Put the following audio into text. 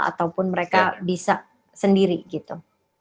ataupun mereka bisa sendiri gitu